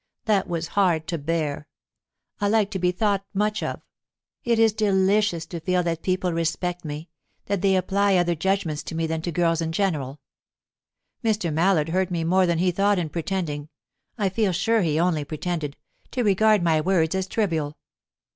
That was hard to bear. I like to be thought much of; it is delicious to feel that people respect me, that they apply other judgments to me than to girls in general. Mr. Mallard hurt me more than he thought in pretending I feel sure he only pretended to regard my words as trivial.